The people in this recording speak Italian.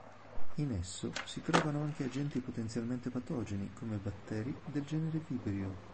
In esso si trovano anche agenti potenzialmente patogeni, come batteri del genere vibrio.